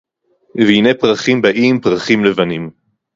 וְהִנֵּה פְרָחִים בָּאִים, פְּרָחִים לְבָנִים